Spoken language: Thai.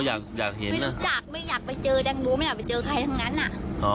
ไม่อยากไปเจอใครทั้งนั้นอ่ะ